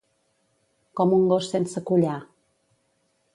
Com un gos sense collar.